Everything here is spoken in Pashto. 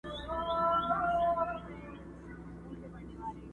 كه راتلل به يې دربار ته فريادونه!!